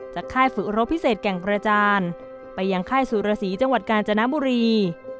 ค่ายฝึกรบพิเศษแก่งกระจานไปยังค่ายสุรสีจังหวัดกาญจนบุรี